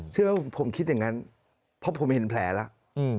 เชื่อว่าผมคิดอย่างนั้นเพราะผมเห็นแผลแล้ว